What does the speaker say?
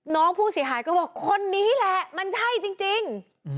น้องผู้เสียหายก็บอกคนนี้แหละมันใช่จริง